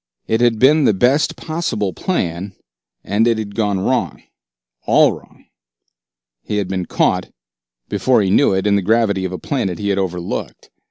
It had been the best possible plan, and it had gone wrong, all wrong. He had been caught, before he knew it, in the gravity of a planet he had overlooked.